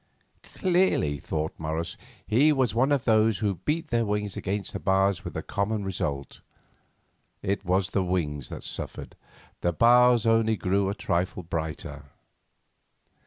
Clearly, thought Morris, he was one of those who beat their wings against the bars with the common result; it was the wings that suffered, the bars only grew a trifle brighter.